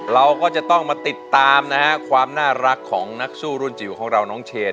เราก็จะต้องมาติดตามนะฮะความน่ารักของนักสู้รุ่นจิ๋วของเราน้องเชน